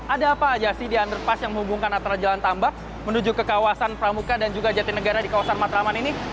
ada apa aja sih di underpass yang menghubungkan antara jalan tambak menuju ke kawasan pramuka dan juga jatinegara di kawasan matraman ini